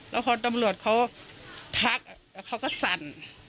แล้วพอตังหลวดเขาทักแต่เขาก็สั่น